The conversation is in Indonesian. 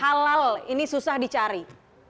halal ini susah dicari